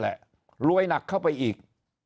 นั่นแหละรวยหนักเข้าไปอีก